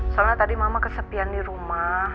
soalnya tadi mama kesepian di rumah